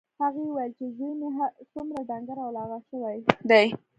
هغې وویل چې زوی مې څومره ډنګر او لاغر شوی دی